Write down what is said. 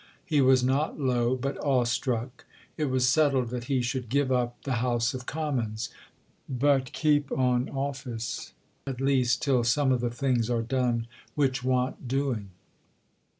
He was not low, but awe struck. It was settled that he should give up the House of Commons, but keep on office at least till some of the things are done which want doing.